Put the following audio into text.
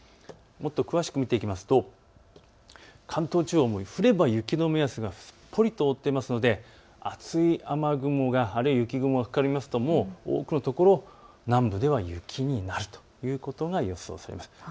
もっと詳しく見ていきますと関東地方も降れば雪の目安がすっぽりと覆っていますので厚い雨雲がかかりますと多くのところ南部では雪になるということが予想されます。